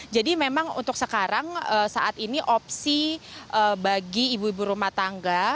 jadi memang untuk sekarang saat ini opsi bagi ibu ibu rumah tangga